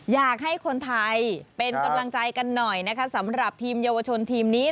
อยากให้คนไทยเป็นกำลังใจกันหน่อยนะคะสำหรับทีมเยาวชนทีมนี้